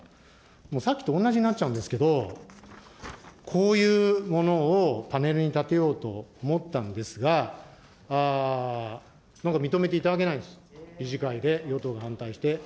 もうさっきと同じになっちゃうんですけど、こういうものをパネルに立てようと思ったんですが、なんか認めていただけないんです、理事会で、与党が反対して。